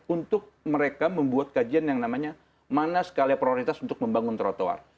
untuk mereka membuat kajian yang namanya mana sekalian prioritas untuk membangun trotoar